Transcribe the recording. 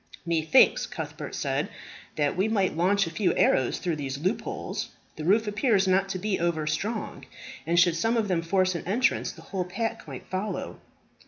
"Methinks," Cuthbert said, "that we might launch a few arrows through these loopholes. The roof appears not to be over strong; and should some of them force an entrance, the whole pack might follow."